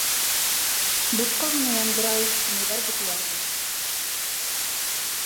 Бушҡа ғына яндырай тимәйҙәр бит уларҙы.